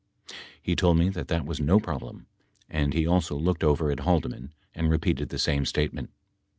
He told me that that was no problem, and he also looked over at Haldeman and repeated the same statement.